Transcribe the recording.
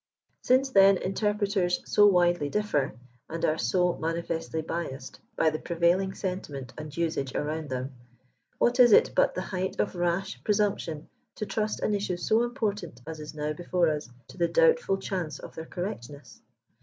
Since, then, interpreters so widely differ, and are so mani festly biassed by the prevailing sentiment and usage around them, what is it but the height of rash presumption to trust an issue so important as is now before us, to the doubtful chance of their correctness?